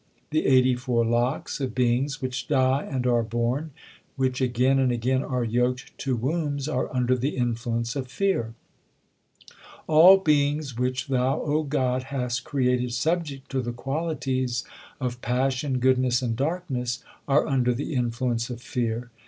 The eighty four lakhs of beings which die and are born, which again and again are yoked to wombs, are under the influence of fear. All beings which Thou, God, hast created subject to the qualities of passion, goodness, and darkness are under the influence of fear.